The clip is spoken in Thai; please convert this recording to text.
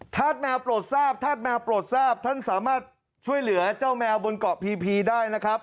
ธาตุแมวโปรดทราบธาตุแมวโปรดทราบท่านสามารถช่วยเหลือเจ้าแมวบนเกาะพีพีได้นะครับ